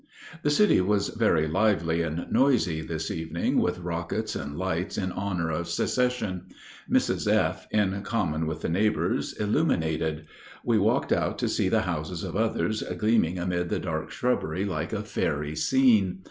The city was very lively and noisy this evening with rockets and lights in honor of secession. Mrs. F., in common with the neighbors, illuminated. We walked out to see the houses of others gleaming amid the dark shrubbery like a fairy scene.